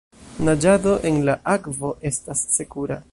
Naĝado en la akvo estas sekura.